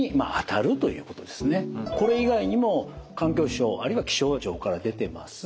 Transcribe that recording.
これ以外にも環境省あるいは気象庁から出てます